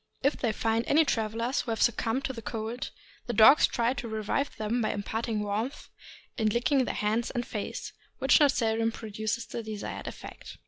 If they find any travelers who have succumbed to the cold, the dogs try to revive them by imparting warmth in licking their hands and face, which not seldom produces the desired effect.